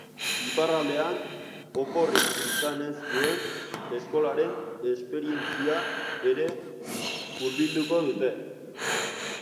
Iparraldean oporrik izan ez duen eskolaren esperientzia ere hurbilduko dute.